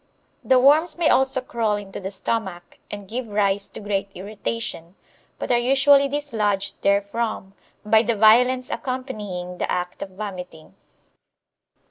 The worms may also crawl into the stomach, and give rise to great irritation, but are usually dislodged therefrom by the violence accompanying the act of vomiting.